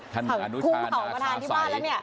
ท่านอนุชานาศาสัย